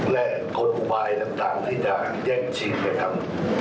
แรกกฎอุบัยต่างที่จะแยกชีพให้ทำ